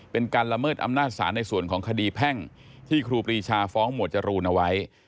เป็นการละเมิดอำนาจศาลในส่วนของคดีแพ่งที่ครูปรีชาฟ้องหมวดจรูนเอาไว้